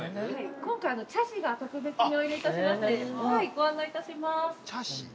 今回、茶師が特別においれいたしますのでご案内いたします。